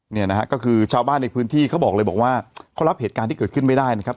เนี่ยนะฮะก็คือชาวบ้านในพื้นที่เขาบอกเลยบอกว่าเขารับเหตุการณ์ที่เกิดขึ้นไม่ได้นะครับ